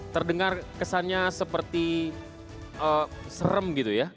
terdengar kesannya seperti serem gitu ya